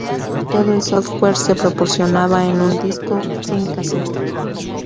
Todo el software se proporcionaba en un disco, sin cassette.